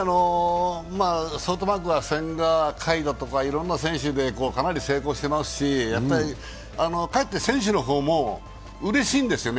ソフトバンクは千賀、甲斐選手とかいろんな選手でかなり成功していますし、かえって選手の方もうれしいんですよね。